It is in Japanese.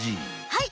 はい！